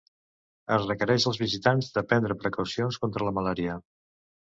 Es requereix als visitants de prendre precaucions contra la malària.